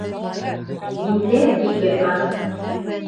— Миндә ике ат.